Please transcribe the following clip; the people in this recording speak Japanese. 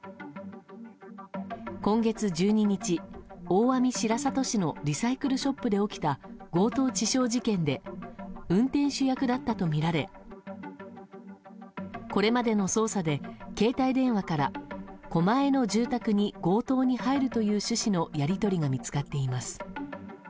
今月１２日、大網白里市のリサイクルショップで起きた強盗致傷事件で運転手役だったとみられこれまでの捜査で、携帯電話から狛江の住宅に強盗に入るという趣旨のやり取りが見つかっています。